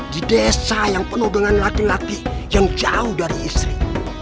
di desa yang penuh dengan laki laki yang jauh dari istri